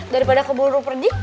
daripada aku buru buru pergi